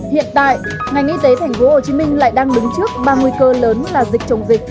hiện tại ngành y tế thành phố hồ chí minh lại đang đứng trước ba nguy cơ lớn là dịch chống dịch